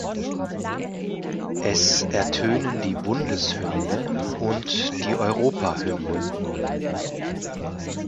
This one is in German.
Es ertönen die Bundeshymne und die Europahymne.